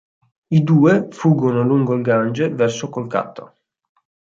I due fuggono lungo il Gange verso Kolkata.